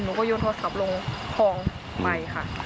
หนูก็โยนโทรศัพท์ลงพองไปค่ะ